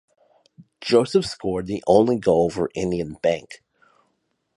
Joseph scored the only goal for Indian Bank.